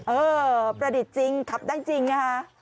เออประดิษฐ์จริงขับได้จริงนะคะ